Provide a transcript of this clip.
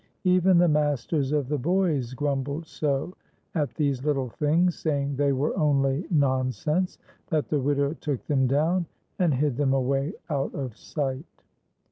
Even the masters of the boys grumbled so at these little things, saying they were only nonsense, that the widow took them down and hid them away out of sight.